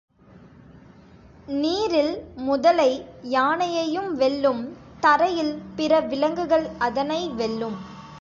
நீரில் முதலை யானையையும் வெல்லும், தரையில் பிற விலங்குகள் அதனை வெல்லும்.